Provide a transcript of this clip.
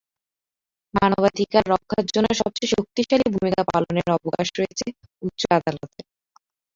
মানবাধিকার রক্ষার জন্য সবচেয়ে শক্তিশালী ভূমিকা পালনের অবকাশ রয়েছে উচ্চ আদালতের।